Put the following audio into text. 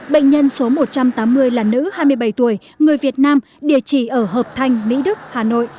bệnh nhân số một trăm tám mươi là nữ hai mươi bảy tuổi người việt nam địa chỉ ở hợp thanh mỹ đức hà nội